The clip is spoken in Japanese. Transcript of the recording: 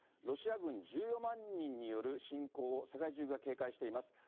ロシア軍１４万人による侵攻を、世界中が警戒しています。